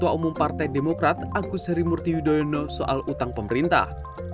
ketua umum partai demokrat agus harimurti yudhoyono soal utang pemerintah